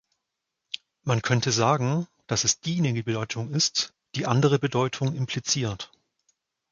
Man könnte sagen, dass es diejenige Bedeutung ist, die die anderen Bedeutungen impliziert.